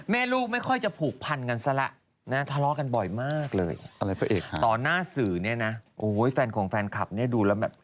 แม่ลูกไม่ค่อยจะผูกพันกันซะละนะทะเลาะกันบ่อยมากเลยอะไรพระเอกต่อหน้าสื่อเนี่ยนะโอ้ยแฟนของแฟนคลับเนี่ยดูแล้วแบบ